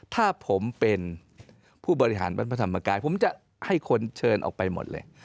ถ้าผมเป็นผู้บริหารวัดพระธรรมกายผมจะให้คนเชิญออกไปหมดเลย